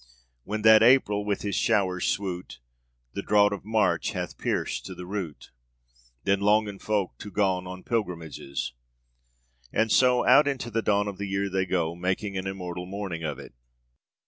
When that Aprille with his schowres swoote The drought of Marche hath pierced to the roote Then longen folke to gon on pilgrimages. And so, out into the dawn of the year they go, making an immortal morning of it.